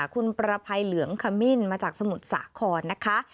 คุณประภัยเหลืองขมิ้นมาจากสมุทรสาครนะคะ